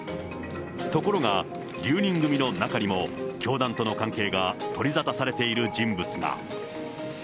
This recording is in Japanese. ところが、留任組の中にも、教団との関係が取り沙汰されている人物が。